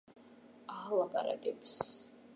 აალაპარაკებს